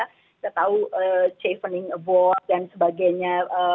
kita tahu chaffening award dan sebagainya